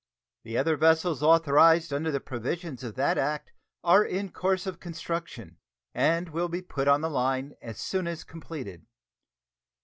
The other vessels authorized under the provisions of that act are in course of construction, and will be put upon the line as soon as completed.